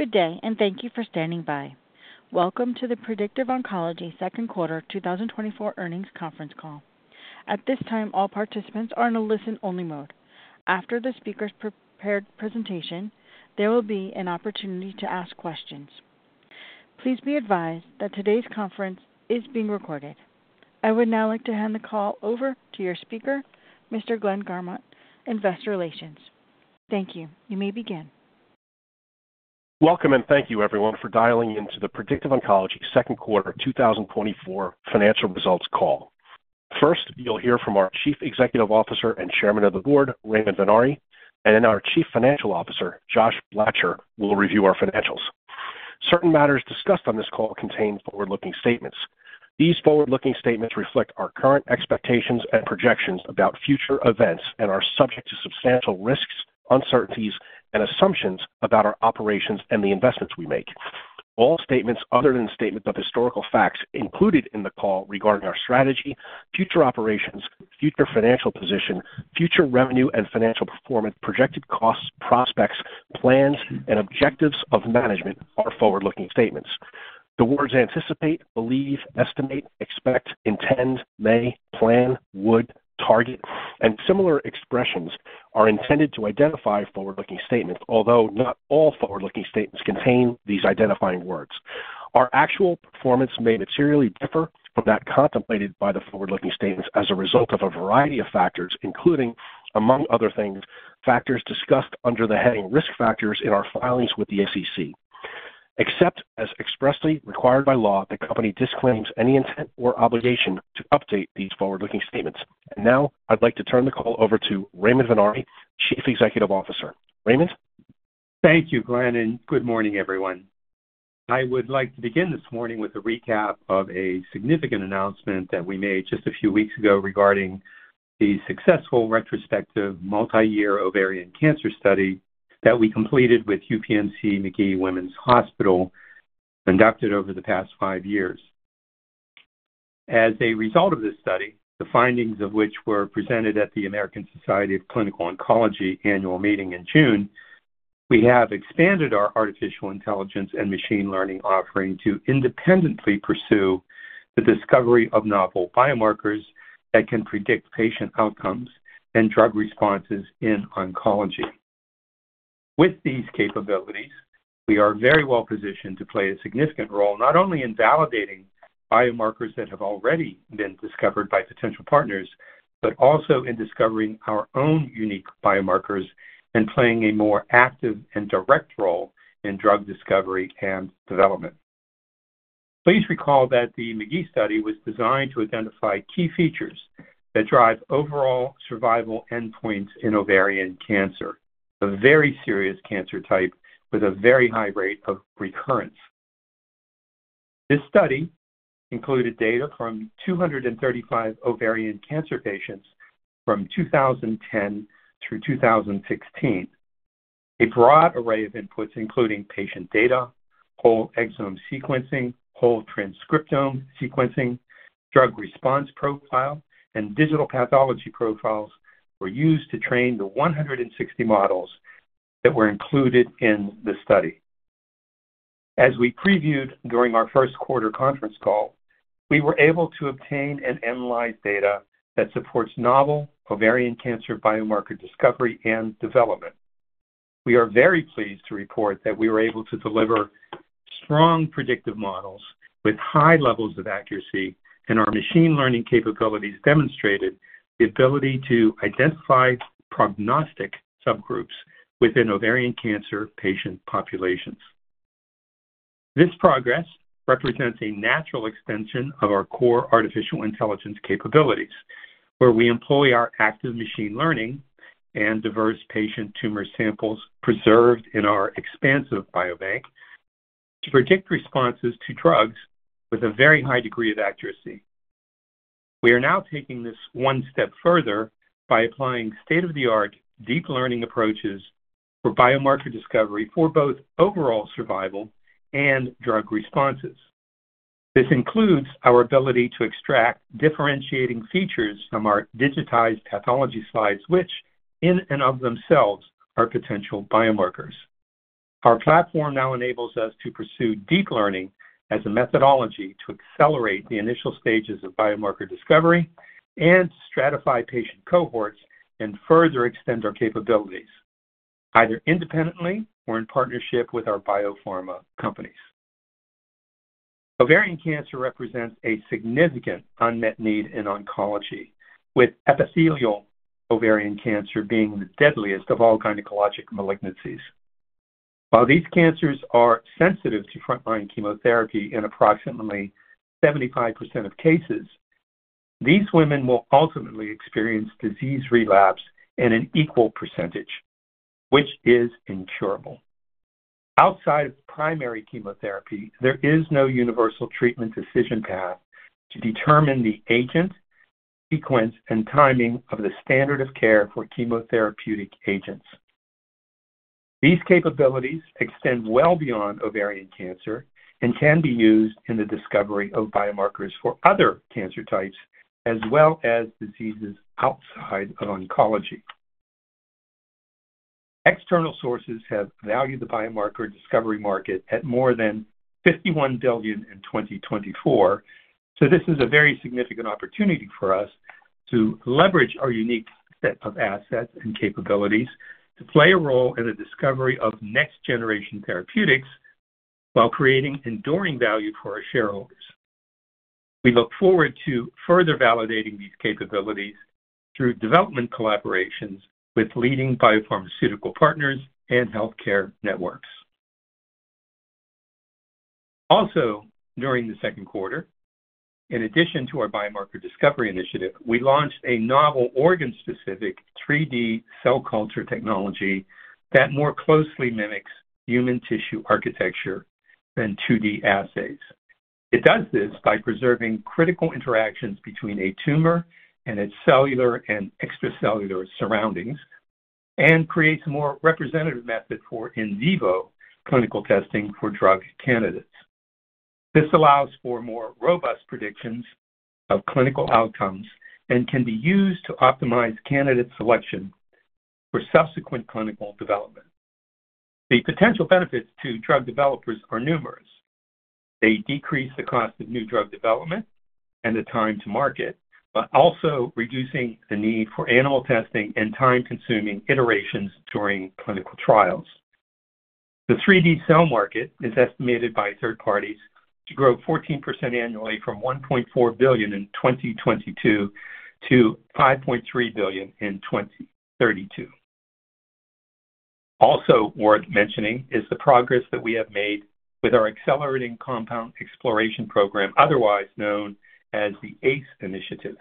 Good day, and thank you for standing by. Welcome to the Predictive Oncology Second Quarter 2024 Earnings Conference Call. At this time, all participants are in a listen-only mode. After the speaker's prepared presentation, there will be an opportunity to ask questions. Please be advised that today's conference is being recorded. I would now like to hand the call over to your speaker, Mr. Glenn Garmont, Investor Relations. Thank you. You may begin. Welcome, and thank you everyone for dialing in to the Predictive Oncology Second Quarter 2024 financial results call. First, you'll hear from our Chief Executive Officer and Chairman of the Board, Raymond Vennare, and then our Chief Financial Officer, Josh Blacher, will review our financials. Certain matters discussed on this call contain forward-looking statements. These forward-looking statements reflect our current expectations and projections about future events and are subject to substantial risks, uncertainties, and assumptions about our operations and the investments we make. All statements other than statements of historical facts included in the call regarding our strategy, future operations, future financial position, future revenue and financial performance, projected costs, prospects, plans, and objectives of management are forward-looking statements. The words anticipate, believe, estimate, expect, intend, may, plan, would, target, and similar expressions are intended to identify forward-looking statements, although not all forward-looking statements contain these identifying words. Our actual performance may materially differ from that contemplated by the forward-looking statements as a result of a variety of factors, including, among other things, factors discussed under the heading Risk Factors in our filings with the SEC. Except as expressly required by law, the company disclaims any intent or obligation to update these forward-looking statements. Now I'd like to turn the call over to Raymond Vennare, Chief Executive Officer. Raymond? Thank you, Glenn, and good morning, everyone. I would like to begin this morning with a recap of a significant announcement that we made just a few weeks ago regarding the successful retrospective multi-year ovarian cancer study that we completed with UPMC Magee-Womens Hospital, conducted over the past five years. As a result of this study, the findings of which were presented at the American Society of Clinical Oncology annual meeting in June, we have expanded our artificial intelligence and machine learning offering to independently pursue the discovery of novel biomarkers that can predict patient outcomes and drug responses in oncology. With these capabilities, we are very well-positioned to play a significant role, not only in validating biomarkers that have already been discovered by potential partners, but also in discovering our own unique biomarkers and playing a more active and direct role in drug discovery and development. Please recall that the Magee study was designed to identify key features that drive overall survival endpoints in ovarian cancer, a very serious cancer type with a very high rate of recurrence. This study included data from 235 ovarian cancer patients from 2010 through 2016. A broad array of inputs, including patient data, whole exome sequencing, whole transcriptome sequencing, drug response profile, and digital pathology profiles, were used to train the 160 models that were included in the study. As we previewed during our first quarter conference call, we were able to obtain and analyze data that supports novel ovarian cancer biomarker discovery and development. We are very pleased to report that we were able to deliver strong predictive models with high levels of accuracy, and our machine learning capabilities demonstrated the ability to identify prognostic subgroups within ovarian cancer patient populations. This progress represents a natural extension of our core artificial intelligence capabilities, where we employ our active machine learning and diverse patient tumor samples preserved in our expansive biobank to predict responses to drugs with a very high degree of accuracy. We are now taking this one step further by applying state-of-the-art deep learning approaches for biomarker discovery for both overall survival and drug responses. This includes our ability to extract differentiating features from our digitized pathology slides, which in and of themselves are potential biomarkers. Our platform now enables us to pursue deep learning as a methodology to accelerate the initial stages of biomarker discovery and stratify patient cohorts and further extend our capabilities, either independently or in partnership with our biopharma companies. Ovarian cancer represents a significant unmet need in oncology, with epithelial ovarian cancer being the deadliest of all gynecologic malignancies. While these cancers are sensitive to frontline chemotherapy in approximately 75% of cases, these women will ultimately experience disease relapse in an equal percentage, which is incurable. Outside of primary chemotherapy, there is no universal treatment decision path to determine the agent, sequence, and timing of the standard of care for chemotherapeutic agents. These capabilities extend well beyond ovarian cancer and can be used in the discovery of biomarkers for other cancer types, as well as diseases outside of oncology.... External sources have valued the biomarker discovery market at more than $51 billion in 2024. So this is a very significant opportunity for us to leverage our unique set of assets and capabilities to play a role in the discovery of next-generation therapeutics while creating enduring value for our shareholders. We look forward to further validating these capabilities through development collaborations with leading biopharmaceutical partners and healthcare networks. Also, during the second quarter, in addition to our biomarker discovery initiative, we launched a novel organ-specific 3D cell culture technology that more closely mimics human tissue architecture than 2D assays. It does this by preserving critical interactions between a tumor and its cellular and extracellular surroundings, and creates a more representative method for in vivo clinical testing for drug candidates. This allows for more robust predictions of clinical outcomes and can be used to optimize candidate selection for subsequent clinical development. The potential benefits to drug developers are numerous. They decrease the cost of new drug development and the time to market, but also reducing the need for animal testing and time-consuming iterations during clinical trials. The 3D cell market is estimated by third parties to grow 14% annually from $1.4 billion in 2022 to $5.3 billion in 2032. Also worth mentioning is the progress that we have made with our Accelerating Compound Exploration program, otherwise known as the ACE Initiative.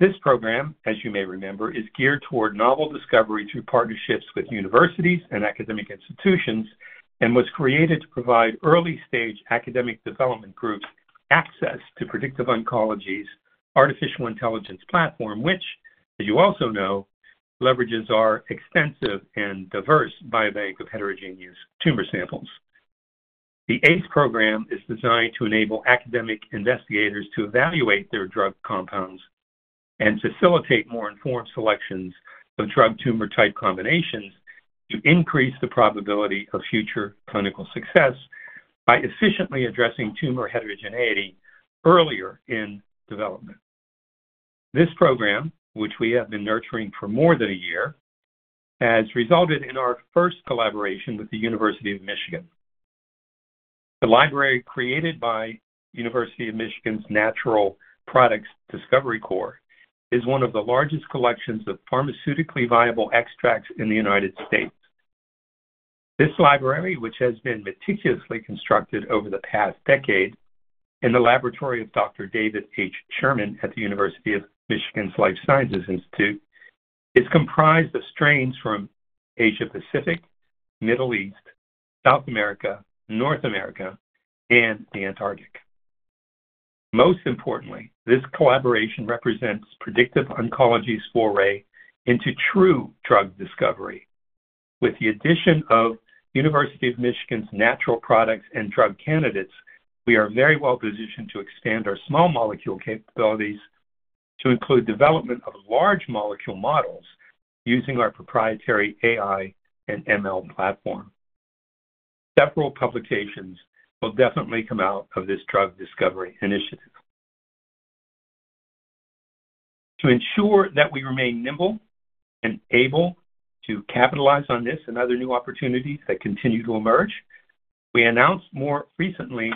This program, as you may remember, is geared toward novel discovery through partnerships with universities and academic institutions, and was created to provide early-stage academic development groups access to Predictive Oncology's artificial intelligence platform, which, as you also know, leverages our extensive and diverse biobank of heterogeneous tumor samples. The ACE program is designed to enable academic investigators to evaluate their drug compounds and facilitate more informed selections of drug-tumor type combinations to increase the probability of future clinical success by efficiently addressing tumor heterogeneity earlier in development. This program, which we have been nurturing for more than a year, has resulted in our first collaboration with the University of Michigan. The library, created by University of Michigan's Natural Products Discovery Core, is one of the largest collections of pharmaceutically viable extracts in the United States. This library, which has been meticulously constructed over the past decade in the laboratory of Dr. David H. Sherman at the University of Michigan's Life Sciences Institute, is comprised of strains from Asia-Pacific, Middle East, South America, North America, and the Antarctic. Most importantly, this collaboration represents Predictive Oncology's foray into true drug discovery. With the addition of University of Michigan's natural products and drug candidates, we are very well-positioned to expand our small molecule capabilities to include development of large molecule models using our proprietary AI and ML platform. Several publications will definitely come out of this drug discovery initiative. To ensure that we remain nimble and able to capitalize on this and other new opportunities that continue to emerge, we announced more recently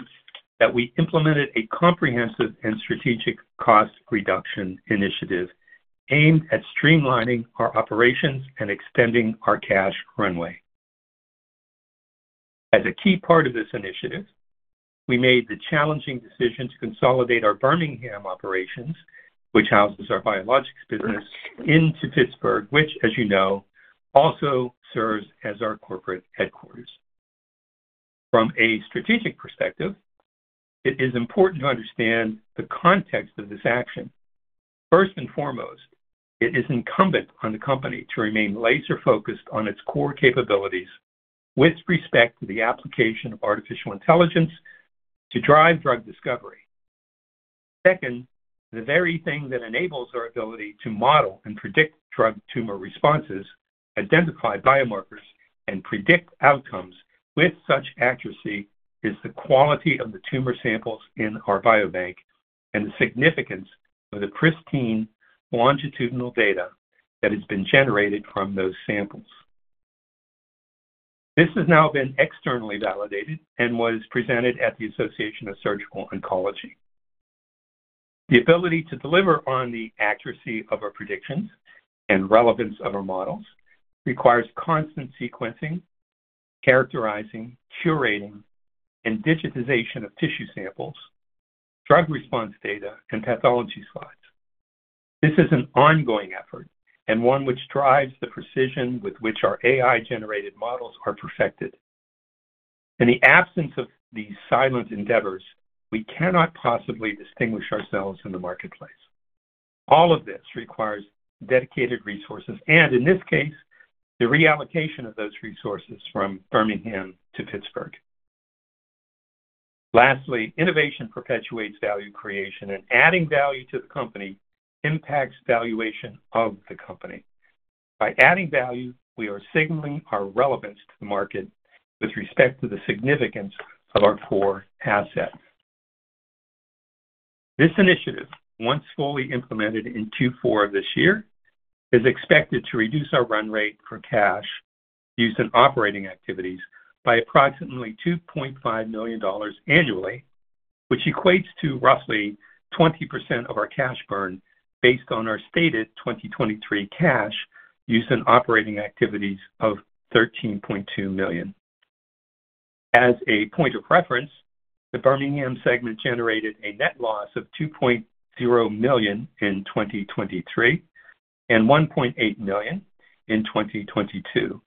that we implemented a comprehensive and strategic cost reduction initiative aimed at streamlining our operations and extending our cash runway. As a key part of this initiative, we made the challenging decision to consolidate our Birmingham operations, which houses our biologics business, into Pittsburgh, which, as you know, also serves as our corporate headquarters. From a strategic perspective, it is important to understand the context of this action. First and foremost, it is incumbent on the company to remain laser-focused on its core capabilities with respect to the application of artificial intelligence to drive drug discovery. Second, the very thing that enables our ability to model and predict drug-tumor responses, identify biomarkers, and predict outcomes with such accuracy is the quality of the tumor samples in our biobank and the significance of the pristine longitudinal data that has been generated from those samples. This has now been externally validated and was presented at the Society of Surgical Oncology. The ability to deliver on the accuracy of our predictions and relevance of our models requires constant sequencing, characterizing, curating, and digitization of tissue samples, drug response data, and pathology slides. This is an ongoing effort and one which drives the precision with which our AI-generated models are perfected. In the absence of these silent endeavors, we cannot possibly distinguish ourselves in the marketplace. All of this requires dedicated resources and, in this case, the reallocation of those resources from Birmingham to Pittsburgh. Lastly, innovation perpetuates value creation, and adding value to the company impacts valuation of the company. By adding value, we are signaling our relevance to the market with respect to the significance of our core asset. This initiative, once fully implemented in Q4 of this year, is expected to reduce our run rate for cash used in operating activities by approximately $2.5 million annually, which equates to roughly 20% of our cash burn, based on our stated 2023 cash used in operating activities of $13.2 million. As a point of reference, the Birmingham segment generated a net loss of $2.0 million in 2023 and $1.8 million in 2022,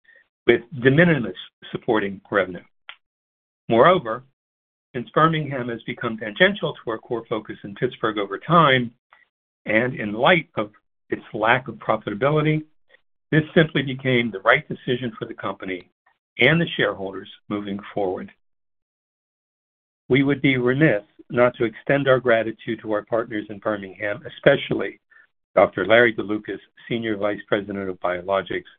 with de minimis supporting revenue. Moreover, since Birmingham has become tangential to our core focus in Pittsburgh over time, and in light of its lack of profitability, this simply became the right decision for the company and the shareholders moving forward. We would be remiss not to extend our gratitude to our partners in Birmingham, especially Dr. Larry DeLucas, Senior Vice President of Biologics,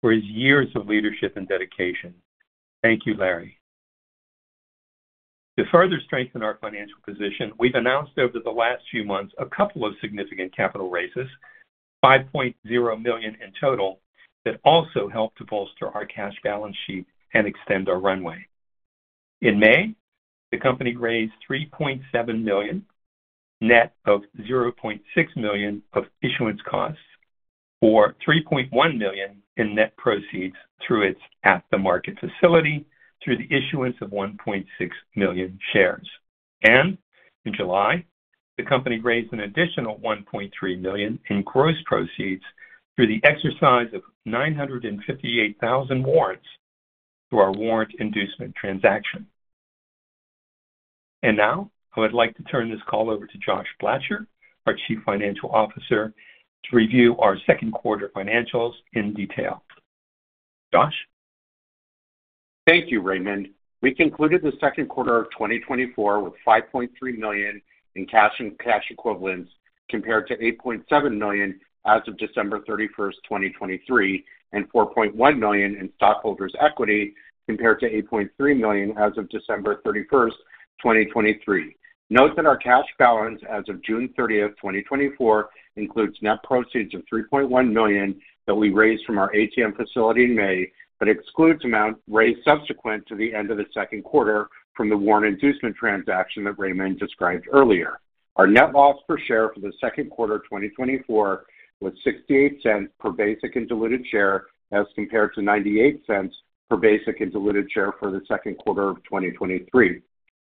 for his years of leadership and dedication. Thank you, Larry. To further strengthen our financial position, we've announced over the last few months a couple of significant capital raises, $5.0 million in total, that also help to bolster our cash balance sheet and extend our runway. In May, the company raised $3.7 million, net of $0.6 million of issuance costs, or $3.1 million in net proceeds through its at-the-market facility through the issuance of 1.6 million shares. In July, the company raised an additional $1.3 million in gross proceeds through the exercise of 958,000 warrants through our warrant inducement transaction. Now I would like to turn this call over to Josh Blacher, our Chief Financial Officer, to review our second quarter financials in detail. Josh? Thank you, Raymond. We concluded the second quarter of 2024 with $5.3 million in cash and cash equivalents, compared to $8.7 million as of December 31, 2023, and $4.1 million in stockholders' equity, compared to $8.3 million as of December 31st, 2023. Note that our cash balance as of June 30th, 2024, includes net proceeds of $3.1 million that we raised from our ATM facility in May, but excludes amount raised subsequent to the end of the second quarter from the warrant inducement transaction that Raymond described earlier. Our net loss per share for the second quarter of 2024 was $0.68 per basic and diluted share, as compared to $0.98 per basic and diluted share for the second quarter of 2023.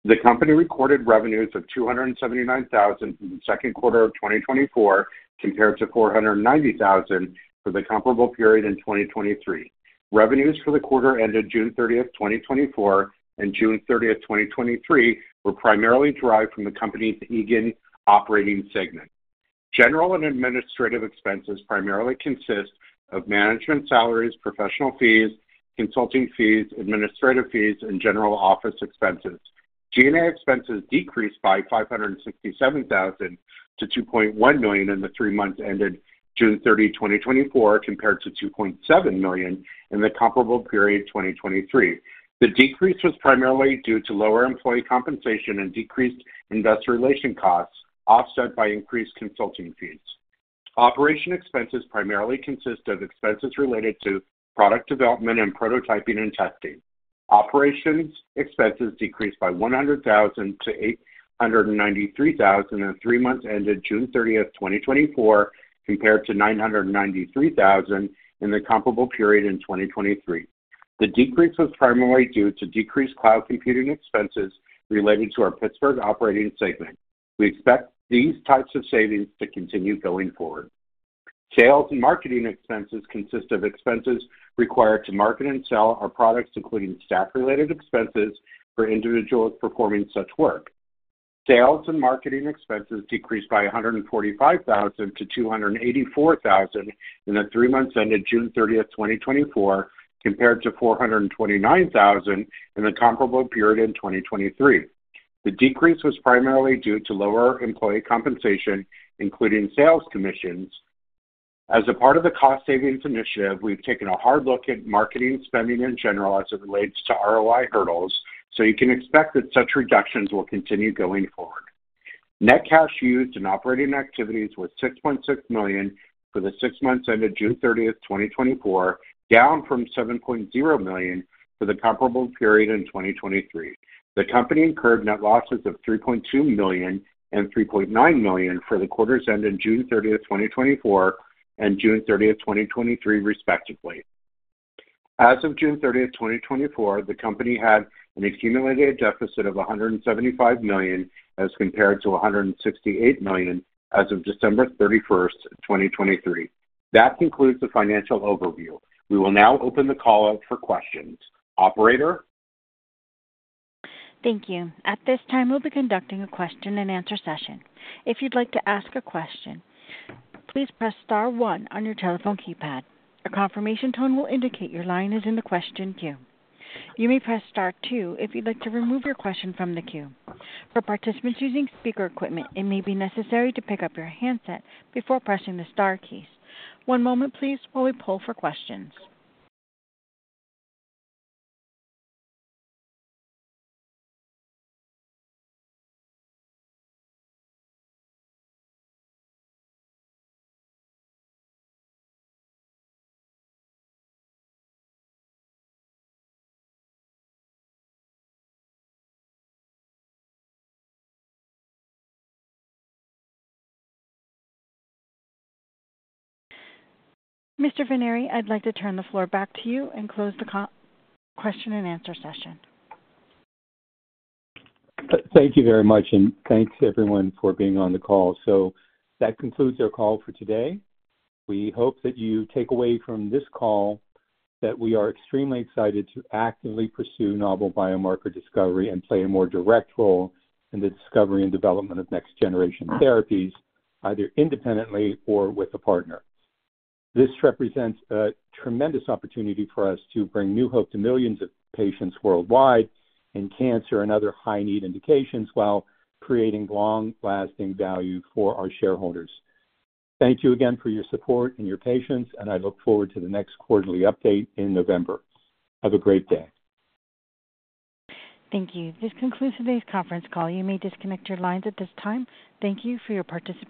The company recorded revenues of $279,000 in the second quarter of 2024, compared to $490,000 for the comparable period in 2023. Revenues for the quarter ended June 30th, 2024, and June 30th, 2023, were primarily derived from the company's Eagan operating segment. General and administrative expenses primarily consist of management salaries, professional fees, consulting fees, administrative fees, and general office expenses. G&A expenses decreased by $567,000-$2.1 million in the three months ended June 30th, 2024, compared to $2.7 million in the comparable period, 2023. The decrease was primarily due to lower employee compensation and decreased investor relation costs, offset by increased consulting fees. Operating expenses primarily consist of expenses related to product development and prototyping and testing. Operations expenses decreased by $100,000-$893,000 in the 3 months ended June 30th, 2024, compared to $993,000 in the comparable period in 2023. The decrease was primarily due to decreased cloud computing expenses relating to our Pittsburgh operating segment. We expect these types of savings to continue going forward. Sales and marketing expenses consist of expenses required to market and sell our products, including staff-related expenses for individuals performing such work. Sales and marketing expenses decreased by $145,000-$284,000 in the 3 months ended June 30, 2024, compared to $429,000 in the comparable period in 2023. The decrease was primarily due to lower employee compensation, including sales commissions. As a part of the cost savings initiative, we've taken a hard look at marketing spending in general as it relates to ROI hurdles, so you can expect that such reductions will continue going forward. Net cash used in operating activities was $6.6 million for the six months ended June 30, 2024, down from $7.0 million for the comparable period in 2023. The company incurred net losses of $3.2 million and $3.9 million for the quarters ending June 30, 2024, and June 30, 2023, respectively. As of June 30, 2024, the company had an accumulated deficit of $175 million, as compared to $168 million as of December 31, 2023. That concludes the financial overview. We will now open the call out for questions. Operator? Thank you. At this time, we'll be conducting a question-and-answer session. If you'd like to ask a question, please press star one on your telephone keypad. A confirmation tone will indicate your line is in the question queue. You may press star two if you'd like to remove your question from the queue. For participants using speaker equipment, it may be necessary to pick up your handset before pressing the star keys. One moment please while we poll for questions. Mr. Vennare, I'd like to turn the floor back to you and close the question-and-answer session. Thank you very much, and thanks, everyone, for being on the call. That concludes our call for today. We hope that you take away from this call that we are extremely excited to actively pursue novel biomarker discovery and play a more direct role in the discovery and development of next-generation therapies, either independently or with a partner. This represents a tremendous opportunity for us to bring new hope to millions of patients worldwide in cancer and other high-need indications, while creating long-lasting value for our shareholders. Thank you again for your support and your patience, and I look forward to the next quarterly update in November. Have a great day. Thank you. This concludes today's conference call. You may disconnect your lines at this time. Thank you for your participation.